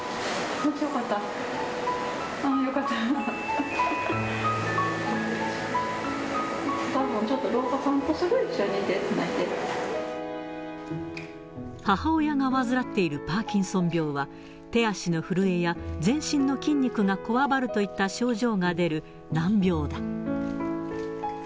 一緒に、母親が患っているパーキンソン病は、手足の震えや全身の筋肉がこわばるといった症状が出る難病だ。